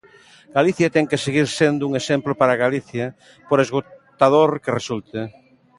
Galicia ten que seguir sendo un exemplo para Galicia, por esgotador que resulte.